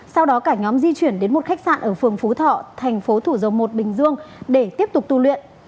sau đó cả nhóm di chuyển đến một khách sạn ở phường phú thọ thành phố thủ dầu một bình dương để tiếp tục tu luyện